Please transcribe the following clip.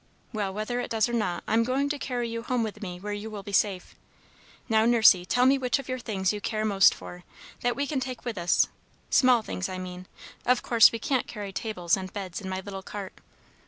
"Well, whether it does or not, I'm going to carry you home with me, where you will be safe. Now, Nursey, tell me which of your things you care most for, that we can take with us, small things, I mean. Of course we can't carry tables and beds in my little cart."